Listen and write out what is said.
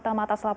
terima kasih pak